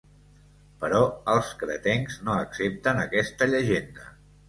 Però els cretencs no accepten aquesta llegenda.